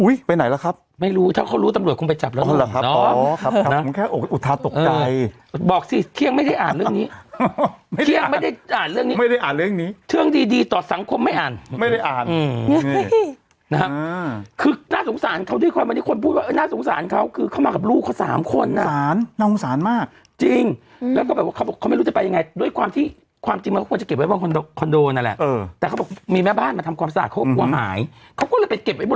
อุ้ยไปไหนแล้วครับไม่รู้ถ้าเขารู้ตำรวจคงไปจับแล้วนะครับอ๋อครับมันแค่อุทาตกใจบอกสิเที่ยงไม่ได้อ่านเรื่องนี้เที่ยงไม่ได้อ่านเรื่องนี้ไม่ได้อ่านเรื่องนี้เที่ยงดีดีต่อสังคมไม่อ่านไม่ได้อ่านนะครับคือน่าสงสารเขาที่คนบอกว่าน่าสงสารเขาคือเขามากับลูกเขาสามคนน่ะน่าสงสารมากจริงแล้วก็แบบว่าเขาบอกเข